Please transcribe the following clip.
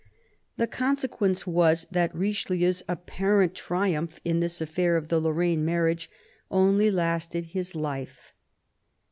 The consequence was, that Richelieu's apparent triumph in this affair of the Lorraine marriage only lasted his life.